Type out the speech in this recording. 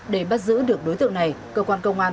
để bắt giữ được đối tượng này cơ quan công an